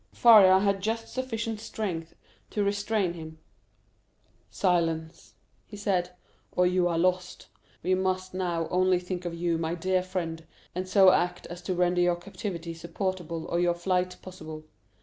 Faria had just sufficient strength to restrain him. "Silence," he said, "or you are lost. We must now only think of you, my dear friend, and so act as to render your captivity supportable or your flight possible.